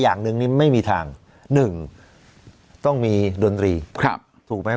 อย่างหนึ่งนี่ไม่มีทางหนึ่งต้องมีดนตรีถูกไหม